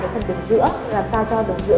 phần đồng giữa làm sao cho đồng giữa